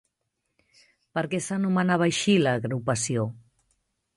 Per què s'anomenava així, l'agrupació?